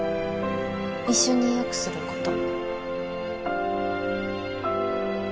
一緒によくすること。